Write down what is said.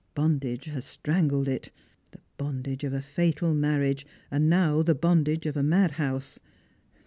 Bondage has strangled it — the bondage of a fatal marriage — and now the bondage of a madhouse.